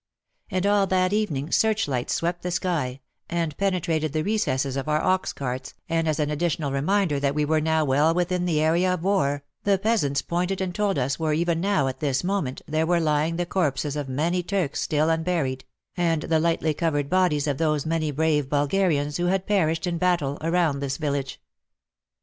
And all that evening searchlights swept the sky, and penetrated the recesses of our ox carts, and, as an additional reminder that we were now well within the area of war, the peasants pointed and told us where even now at this moment there were lying the corpses of many Turks still unburied, and the lightly covered bodies of those many brave Bulgarians who had perished in battle around this village.